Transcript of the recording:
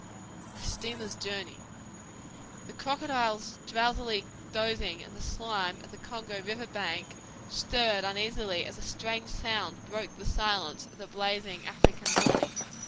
The Steamer's Journey The crocodiles drowsily dosing in the slime of the Congo river bank stirred uneasily as a strange sound broke the silence of the blazing African morning.